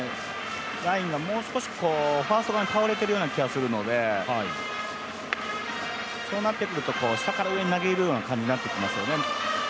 ラインがもう少しファースト側に倒れているような気がするので、そうなってくると下から上に投げるような感じになってきますよね。